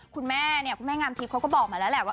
ครับคุณแม่งามทีที่เขาก็บอกมาแล้วแหละว่า